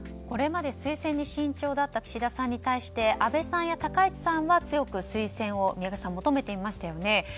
これまで推薦に慎重だった岸田さんに対して安倍さんや高市さんは強く推薦を、宮家さん求めていましたよね。